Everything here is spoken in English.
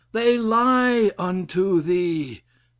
'They lie unto thee.'